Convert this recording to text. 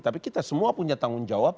tapi kita semua punya tanggung jawab